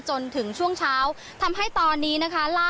จนถึงช่วงเช้าทำให้ตอนนี้นะคะ